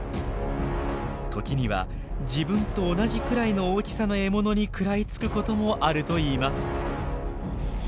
時には自分と同じくらいの大きさの獲物に食らいつくこともあるといいます。